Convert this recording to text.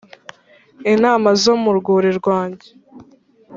intama zo mu rwuri rwanjye